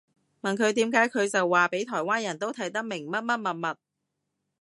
問佢點解佢就話畀台灣人都睇得明乜乜物物